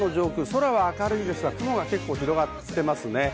空が明るいですが、雲が広がっていますね。